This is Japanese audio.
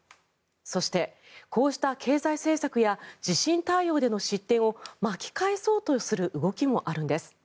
そして、こうした経済政策や地震対応での失点を巻き返そうとする動きもあるんです。